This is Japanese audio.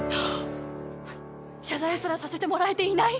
謝罪すらさせてもらえていない！